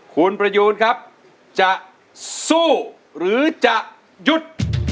คุณประยูนครับจะสู้หรือจะหยุด